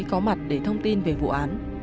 có mặt để thông tin về vụ án